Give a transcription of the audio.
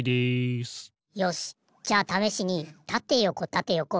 よしじゃあためしにたてよこたてよこ